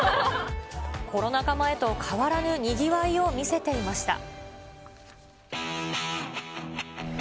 コロナ禍前と変わらぬにぎわいを見せていました。